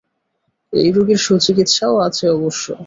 এই রোগের সুচিকিৎসাও আছে অবশ্য।